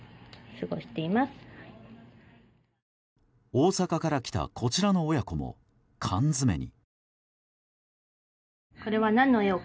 大阪から来たこちらの親子も缶詰めに。